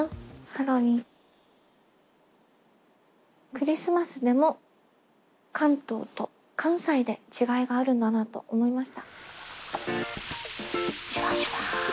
「クリスマス」でも関東と関西で違いがあるんだなと思いました。